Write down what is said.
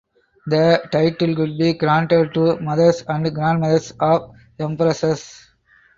The title could be granted to mothers or grandmothers of empresses.